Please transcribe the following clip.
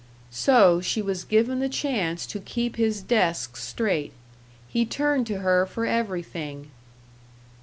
So she was given the chance to keep his desk straight. He turned to her for everything.